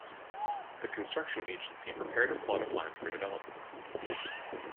The construction agency prepared a plot of land for development.